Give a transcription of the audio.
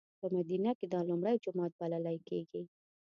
په مدینه کې دا لومړی جومات بللی کېږي.